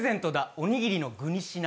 おにぎりの具にしな。